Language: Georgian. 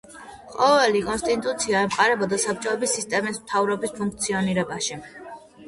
ყოველი კონსტიტუცია ემყარებოდა საბჭოების სისტემას მთავრობის ფუნქციონირებაში.